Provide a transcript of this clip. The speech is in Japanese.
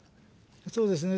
そうですね。